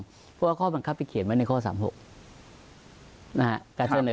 เพราะว่าข้อบังคับไปเขียนไว้ในข้อ๓๖